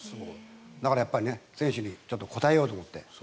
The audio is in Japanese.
だから、選手に応えようと思って。